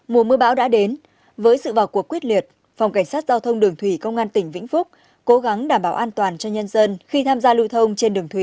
mùa mưa bão đã đến với sự vào cuộc quyết liệt phòng cảnh sát giao thông đường thủy công an tỉnh vĩnh phúc cố gắng đảm bảo an toàn cho nhân dân khi tham gia lưu thông trên đường thủy